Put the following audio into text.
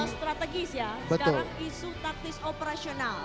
strategis ya sekarang isu taktis operasional